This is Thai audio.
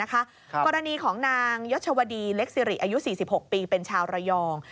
กรณีของนางยศวดีเล็กสิริอายุ๔๖ปีเป็นชาวระยอง